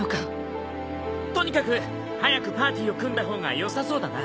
とにかく早くパーティーを組んだ方がよさそうだな。